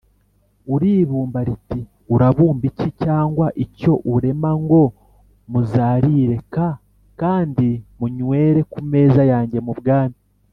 uribumba riti Urabumba iki Cyangwa icyo uremango muzarire k kandi munywere ku meza yanjye mu bwami